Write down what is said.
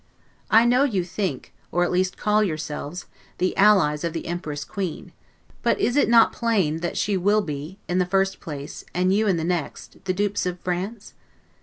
I know you think, or at least call yourselves, the allies of the Empress Queen; but is it not plain that she will be, in the first place, and you in the next, the dupes of France?